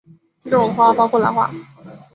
这种花包括兰花。